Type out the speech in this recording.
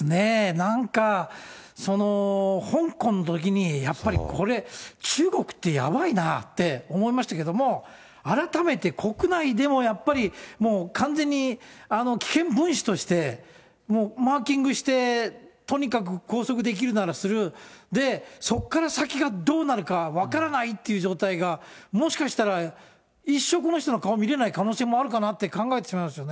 なんか、香港のときにやっぱりこれ、中国ってやばいなって思いましたけども、改めて国内でもやっぱりもう完全に危険分子としてもうマーキングして、とにかく拘束できるならする、で、そっから先がどうなるか分からないっていう状態が、もしかしたら一生この人の顔見れない可能性もあるかなって考えてしまいますよね。